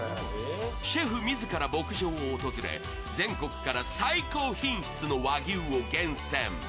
シェフ自ら牧場を訪れ全国から最高品質の和牛を厳選。